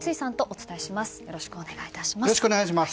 よろしくお願いします。